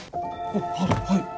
あっはい！